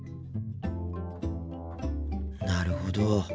なるほど。